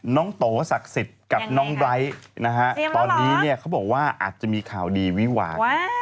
โตศักดิ์สิทธิ์กับน้องไบร์ทนะฮะตอนนี้เนี่ยเขาบอกว่าอาจจะมีข่าวดีวิหวาน